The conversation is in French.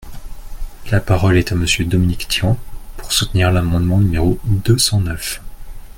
La parole est à Monsieur Dominique Tian, pour soutenir l’amendement numéro deux cent neuf.